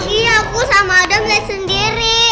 iya aku sama adam liat sendiri